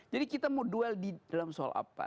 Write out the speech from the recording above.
jadi kita mau duel di dalam soal apa